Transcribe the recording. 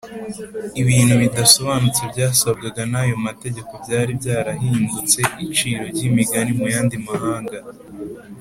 . Ibintu bidasobanutse byasabwagwa n’ayo mategeko byari byarahindutse iciro ry’imigani mu yandi mahanga